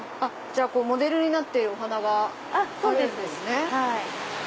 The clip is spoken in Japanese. モデルになっているお花があるんですね。